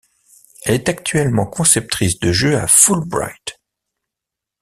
Elle est actuellement conceptrice de jeu à Fullbright.